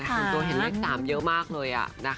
ตัวเห็นเลข๓เยอะมากเลยอะนะคะ